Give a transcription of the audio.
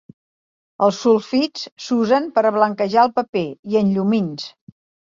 Els sulfits s'usen per a blanquejar el paper i en llumins.